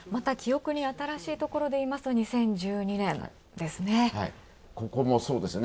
また記憶に新しいところで言いますと、２０１２年ですね。